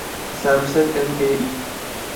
Samsung M A E